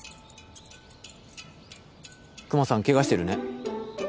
クマさんケガしてるね。